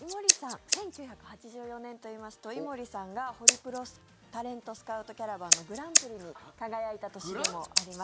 １９８４年といいますと井森さんが、ホリプロタレントスカウトキャラバンのグランプリに輝いた年でもあります。